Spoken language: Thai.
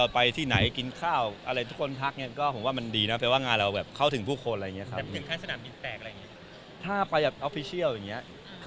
บางทีไปเราก็รีบเราก็ไม่ได้มีเวลาเทคแคร์เยอะ